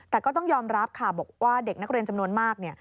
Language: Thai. แต่ก็ต้องยอมรับค่ะบอกว่าเด็กนักเรียนจำนวนมากเนี่ย